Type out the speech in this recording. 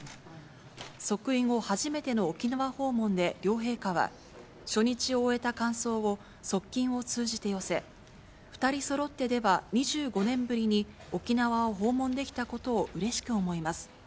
即位後初めての沖縄訪問で両陛下は、初日を終えた感想を側近を通じて寄せ、２人そろってでは２５年ぶりに沖縄を訪問できたことをうれしく思います。